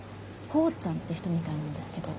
ほーちゃんって人みたいなんですけど。